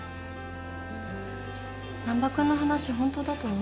難破君の話ホントだと思う？